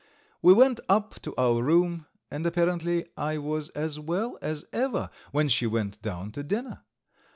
We went up to our room, and apparently I was as well as ever when she went down to dinner.